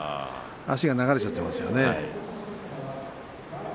足が流れてしまっていますよね。